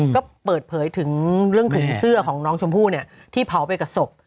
ก็เปิดเผยถึงเรื่องถุงเสื้อของน้องชมพู่ที่เผาไปกับศพ